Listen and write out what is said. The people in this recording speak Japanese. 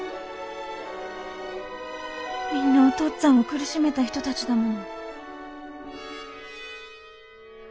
みんなお父っつぁんを苦しめた人達だもの。